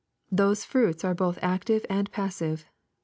Those fruits are both active and passive.